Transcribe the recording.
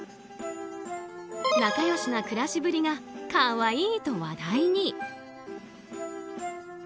仲良しな暮らしぶりが可愛いと話題に。